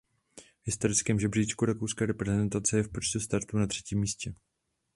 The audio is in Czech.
V historickém žebříčku rakouské reprezentace je v počtu startů na třetím místě.